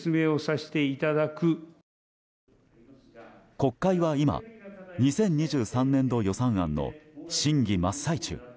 国会は今２０２３年度予算案の審議真っ最中。